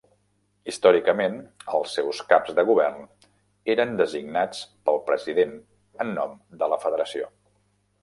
Històricament els seus caps de govern eren designats pel president en nom de la federació.